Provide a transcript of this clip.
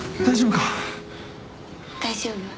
大丈夫か？